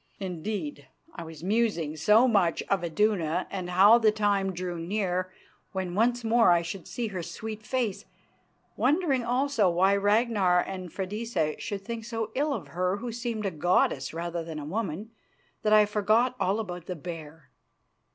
Indeed, I was musing so much of Iduna and how the time drew near when once more I should see her sweet face, wondering also why Ragnar and Freydisa should think so ill of her who seemed a goddess rather than a woman, that I forgot all about the bear.